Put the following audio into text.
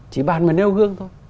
chỉ ban về nêu gương thôi